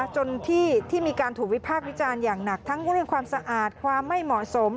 จนที่มีการถูกวิพากษ์วิจารณ์อย่างหนักทั้งเรื่องความสะอาดความไม่เหมาะสม